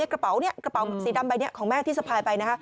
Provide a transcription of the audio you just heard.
กระเป๋าสีดำใบนี้ของแม่ที่สะพายไป